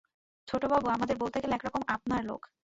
ছোটবাবু আমাদের বলতে গেলে একরকম আপনার লোক।